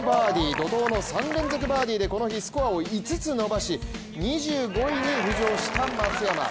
怒とうの３連続バーディーでこの日スコアを５つ伸ばし２５位に浮上した松山。